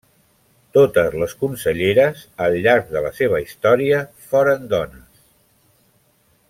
Totes les conselleres al llarg de la seva història foren dones.